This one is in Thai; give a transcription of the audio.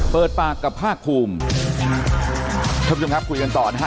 เปิดปากกับภาคภูมิท่านผู้ชมครับคุยกันต่อนะฮะ